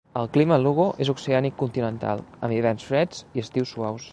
El clima a Lugo és oceànic continental, amb hiverns freds i estius suaus.